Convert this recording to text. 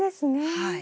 はい。